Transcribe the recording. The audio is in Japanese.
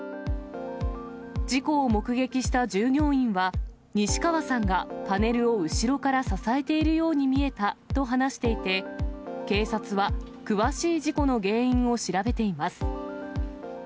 事故を目撃した従業員は、西川さんがパネルを後ろから支えているように見えたと話していて、警察は詳しい事故の原因を調べています。